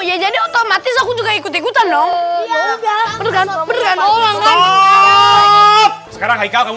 ya jadi otomatis aku juga ikut ikutan dong ya udah bergantung bergantung sekarang hai kamu